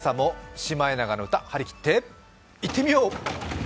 それでは今朝も「シマエナガの歌」張り切っていってみよう。